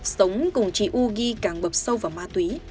sống cùng chị u ghi càng bập sâu vào ma túy